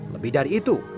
lebih dari itu